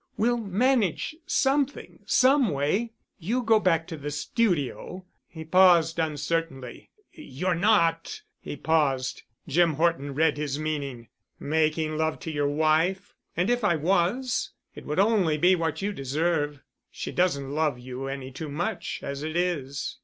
We'll manage something—some way. You go back to the studio——" he paused uncertainly, "You're not——?" he paused. Jim Horton read his meaning. "Making love to your wife? And if I was, it would only be what you deserve. She doesn't love you any too much, as it is."